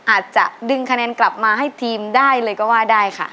อาจจะดึงคะแนนกลับมาให้ทีมได้เลยก็ว่าได้ค่ะ